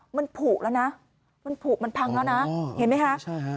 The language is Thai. มันผูกแล้วนะมันผูกมันพังแล้วนะเห็นไหมคะใช่ฮะ